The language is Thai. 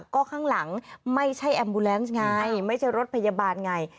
ก็ข้างหลังไม่ใช่แอมบูแลนซ์ไงไม่ใช่รถพยาบาลไง